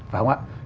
phải không ạ